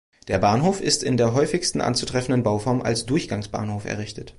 Der Bahnhof ist in der häufigsten anzutreffenden Bauform als Durchgangsbahnhof errichtet.